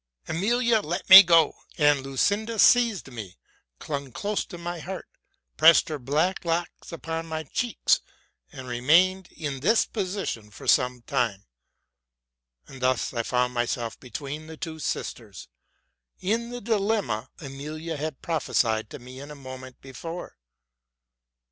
'' Emilia let me go; and Lucinda seized me, clung close to my heart, pressed her black locks upon my cheeks, and remained in this position for some time. And thus I found myself be tween the two sisters, in the dilemma Emilia had prophesied to me a moment before.